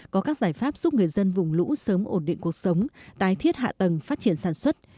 có các giải pháp giúp người dân vùng lũ sớm ổn định cuộc sống tái thiết hạ tầng phát triển sản xuất